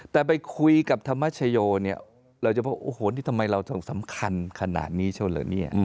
แต่ไปคุยกับธรรมชโยเราจะบอกโอ้โหนี่ทำไมเราสำคัญขนาดนี้เฉินเลย